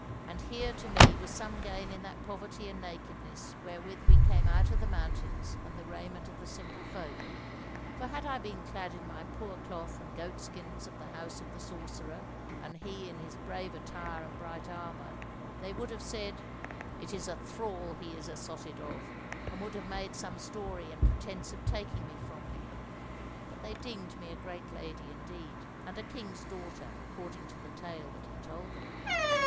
And here to me was some gain in that poverty and nakedness wherewith we came out of the mountains and the raiment of the simple folk; for had I been clad in my poor cloth and goat skins of the House of the Sorcerer, and he in his brave attire and bright armour, they would have said, it is a thrall that he is assotted of, and would have made some story and pretence of taking me from him; but they deemed me a great lady indeed, and a king's daughter, according to the tale that he told them.